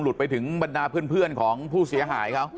ไปถึงบรรดาเพื่อนของผู้เสียหายเขา